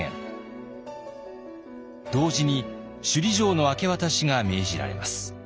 同時に首里城の明け渡しが命じられます。